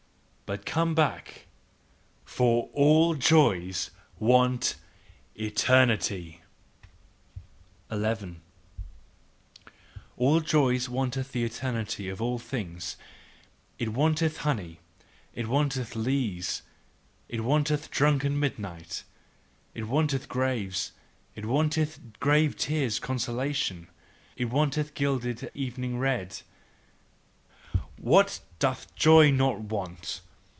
but come back! FOR JOYS ALL WANT ETERNITY! 11. All joy wanteth the eternity of all things, it wanteth honey, it wanteth lees, it wanteth drunken midnight, it wanteth graves, it wanteth grave tears' consolation, it wanteth gilded evening red WHAT doth not joy want!